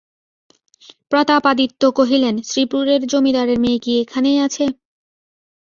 প্রতাপাদিত্য কহিলেন, শ্রীপুরের জমিদারের মেয়ে কি এখানেই আছে?